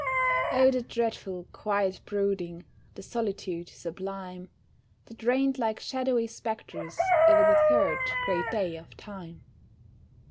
Oh, the dreadful, quiet brooding, the solitude sublime, That reigned like shadowy spectres o'er the third great day of time.